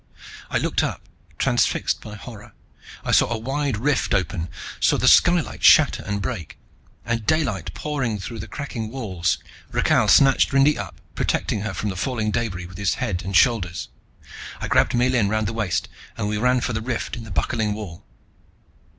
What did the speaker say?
I looked up, transfixed by horror. I saw a wide rift open, saw the skylight shatter and break, and daylight pouring through the cracking walls, Rakhal snatched Rindy up, protecting her from the falling debris with his head and shoulders. I grabbed Miellyn round the waist and we ran for the rift in the buckling wall.